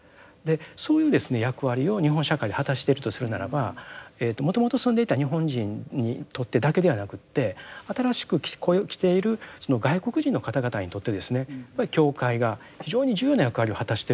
そういうですね役割を日本社会で果たしているとするならばもともと住んでいた日本人にとってだけではなくて新しく来ているその外国人の方々にとってですねやっぱり教会が非常に重要な役割を果たしているということをですね